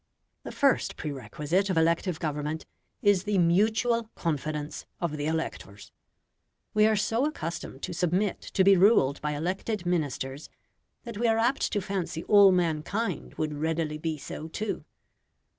The first prerequisite of elective government is the MUTUAL CONFIDENCE of the electors. We are so accustomed to submit to be ruled by elected Ministers, that we are apt to fancy all mankind would readily be so too.